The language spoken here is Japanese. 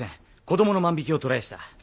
子供の万引きを捕らえやした。